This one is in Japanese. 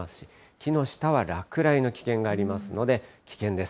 木の下は落雷の危険がありますので、危険です。